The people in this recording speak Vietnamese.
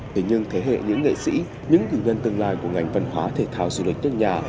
thế nhưng thế hệ những nghệ sĩ những kỷ niệm tương lai của ngành văn hóa thịt thao du lịch các nhà